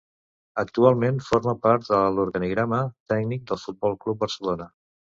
Actualment forma part de l'organigrama tècnic del Futbol Club Barcelona.